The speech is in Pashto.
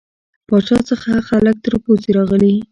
پاچا څخه خلک تر پوزې راغلي.